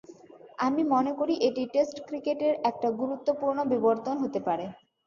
আমি মনে করি এটি টেস্ট ক্রিকেটের একটা গুরুত্বপূর্ণ বিবর্তন হতে পারে।